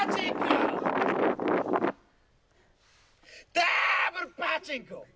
ダーブルパチンコ！